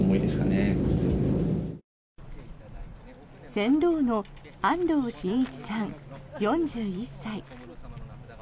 船頭の安藤慎一さん、４１歳。